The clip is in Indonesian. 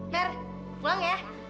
mer pulang ya